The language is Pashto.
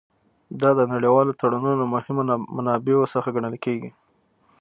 دا د نړیوالو تړونونو له مهمو منابعو څخه ګڼل کیږي